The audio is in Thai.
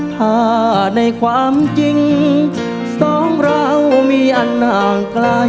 ถ้าในความจริงสองเรามีอันห่างไกล